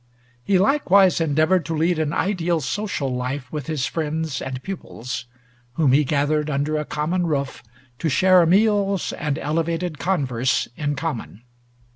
He likewise endeavored to lead an ideal social life with his friends and pupils, whom he gathered under a common roof to share meals and elevated converse in common.